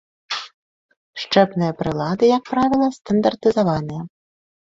Счэпныя прылады, як правіла, стандартызаваныя.